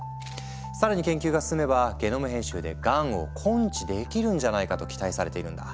更に研究が進めばゲノム編集でがんを根治できるんじゃないかと期待されているんだ。